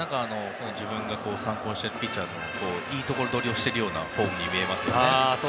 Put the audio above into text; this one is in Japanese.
自分が参考にしているピッチャーのいいとこどりをしているようなフォームに見えますよね。